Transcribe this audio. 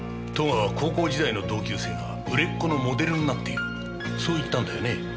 戸川は高校時代の同級生が売れっ子のモデルになっているそう言ったんだよね？